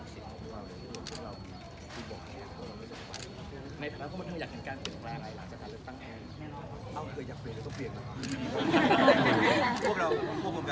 สวัสดีทุกคน